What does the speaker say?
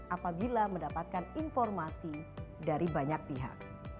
apabila mendapatkan informasi dari banyak pihak